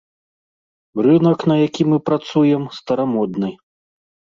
Рынак, на які мы працуем, старамодны.